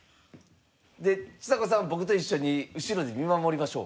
でちさ子さんは僕と一緒に後ろで見守りましょう。